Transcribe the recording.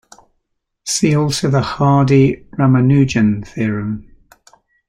See also the Hardy-Ramanujan theorem.